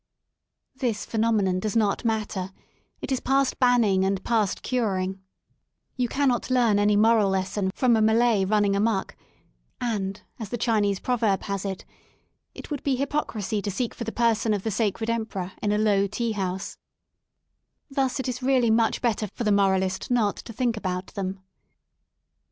This phenomenon does not matter, it is past banning and past curing* You cannot learn any moral lesson from a Malay running amuck^ — and, as the Chinese proverb has it, It would be hypocrisy to seek for the person of the Sacred Emperor in a low tea house/* Thus it is really much better for the moralist not to think about them.